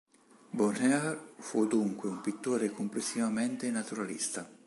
Bonheur fu dunque un pittore complessivamente naturalista.